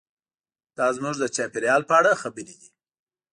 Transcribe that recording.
دا زموږ د چاپیریال په اړه خبرې دي.